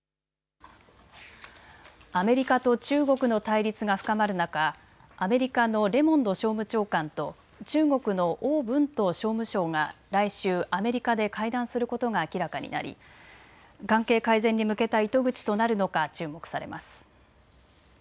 アメリカと中国の対立が深まる中、アメリカのレモンド商務長官と中国の王文涛商務相が来週、アメリカで会談することが明らかになり関係改善に向けた糸口となるのか注目されます。